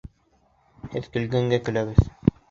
Һеҙ көлгәнгә көләбеҙ.